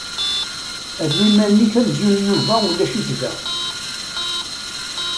Err iman-nnek amzun Yuba ulac-it da.